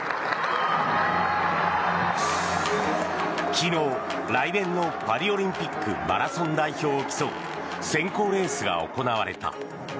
昨日、来年のパリオリンピックマラソン代表を競う選考レースが行われた。